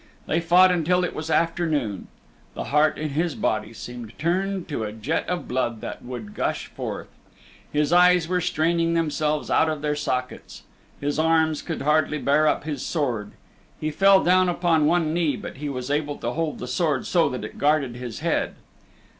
They fought until it was afternoon. The heart in his body seemed turned to a jet of blood that would gush forth. His eyes were straining themselves out of their sockets. His arms could hardly bear up his sword. He fell down upon one knee, but he was able to hold the sword so that it guarded his head.